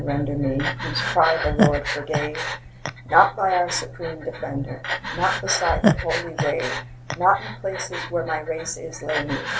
render Me, whose pride the Lord forgave: Not by our supreme Defender, 'Not beside the holy wave, Not in places where my race is Lay me!